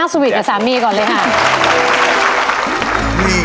ลงไปนั่งสวิทย์กับซ้านีก่อนเลยค่ะ